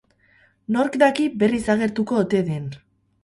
Nork daki berriz agertuko ote den!